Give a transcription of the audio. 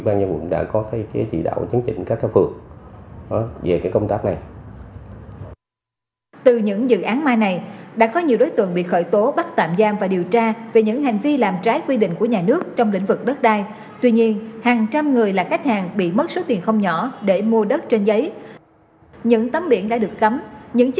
quỹ ban nhân đã có cái chỉ đạo chấn chỉnh